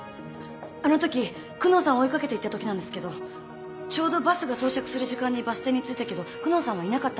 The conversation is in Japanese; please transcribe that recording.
あのとき久能さん追い掛けていったときなんですけどちょうどバスが到着する時間にバス停に着いたけど久能さんはいなかったんです。